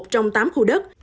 một trong tám khu đất